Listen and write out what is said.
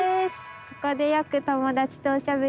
ここでよく友達とおしゃべりしてます。